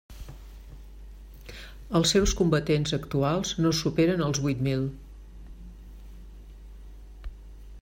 Els seus combatents actuals no superen els vuit mil.